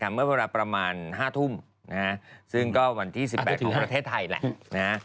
เมื่อเวลาประมาณ๕ทุ่มซึ่งก็วันที่๑๘ของประเทศไทยแหละ